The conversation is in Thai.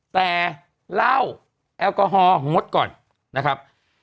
แต่เหล้าแอลกอฮอลองดก่อนนะครับ